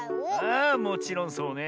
あもちろんそうね。